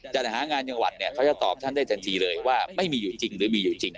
จัดหางานจังหวัดเนี่ยเขาจะตอบท่านได้ทันทีเลยว่าไม่มีอยู่จริงหรือมีอยู่จริง